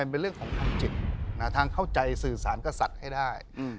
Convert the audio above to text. เป็นเรื่องของทางจิตทางเข้าใจสื่อสารกษัตริย์ให้ได้